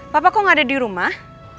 papa kok nggak ada di rumah